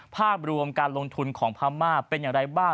ภาพรวมการลงทุนของพม่าเป็นอย่างไรบ้าง